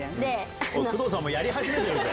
工藤さんもやり始めてるぞ。